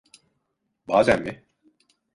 Bazen mi?